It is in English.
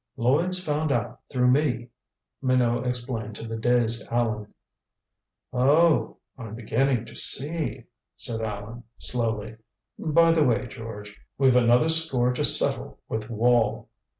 "Lloyds found out through me," Minot explained to the dazed Allan. "Oh I'm beginning to see," said Allan slowly. "By the way, George, we've another score to settle with Wall."